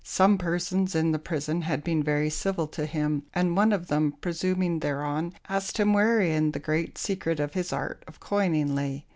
Some persons in the prison had been very civil to him, and one of them presuming thereon, asked him wherein the great secret of his art of coining lay?